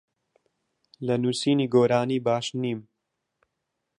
لە نووسینی گۆرانی باش نیم.